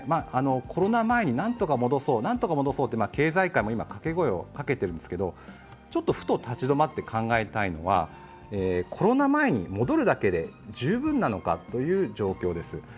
コロナ前になんとか戻そう、なんとか戻そうと経済界も今、かけ声をかけているんですけれども、ふと立ち止まって考えたいのは、コロナ前に戻るだけで十分なのかという状況です。